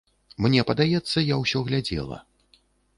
Мне падаецца, я ўсе глядзела.